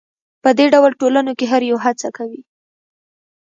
په دې ډول ټولنو کې هر یو هڅه کوي